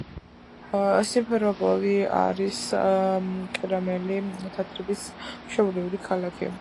სიმფეროპოლი არის ყირიმელი თათრების მშობლიური ქალაქი.